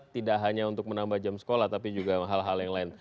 tidak hanya untuk menambah jam sekolah tapi juga hal hal yang lain